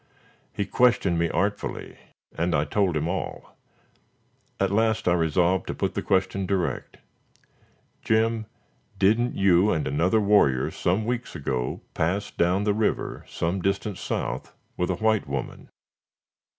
He questioned me artfully, and I told him all. At last, I resolved to put the question direct. "Jim, didn't you and another warrior, some weeks ago, pass down the river, some distance south, with a white woman?"